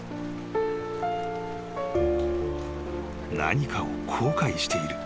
［何かを後悔している。